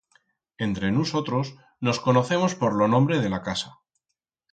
Entre nusotros nos conocemos por lo nombre de la casa.